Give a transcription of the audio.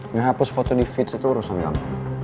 ngehapus foto di feeds itu urusan gampang